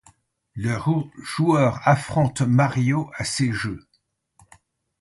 Le joueur affronte Mario à ces jeux.